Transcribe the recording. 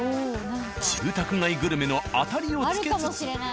住宅街グルメの当たりを付けつつ。